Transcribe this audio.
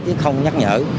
chứ không nhắc nhở